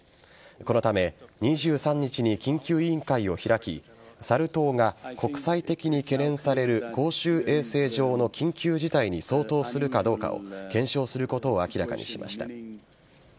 このため、２３日に緊急委員会を開きサル痘が国際的に懸念される公衆衛生上の緊急事態に相当するかどうかを検証することを明らかにしました。